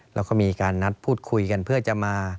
แล้วก็มีการนัดพูดคุยกันเพื่อจะมา